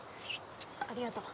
ありがとう。